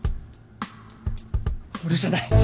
俺じゃない！